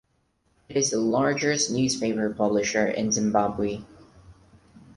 It is the largest newspaper publisher in Zimbabwe.